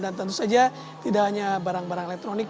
dan tentu saja tidak hanya barang barang elektronik